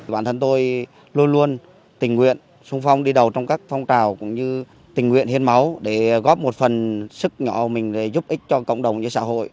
bản thân tôi luôn luôn tình nguyện sung phong đi đầu trong các phong trào cũng như tình nguyện hiến máu để góp một phần sức nhỏ mình để giúp ích cho cộng đồng như xã hội